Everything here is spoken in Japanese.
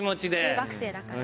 中学生だからね。